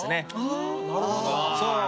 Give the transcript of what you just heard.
あなるほど。